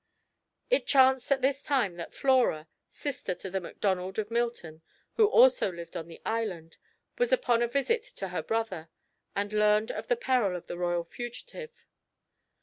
It chanced at this time that Flora, sister to the Macdonald of Milton, who also lived on the island, was upon a visit to her brother, and learned of the peril of the royal fugitive.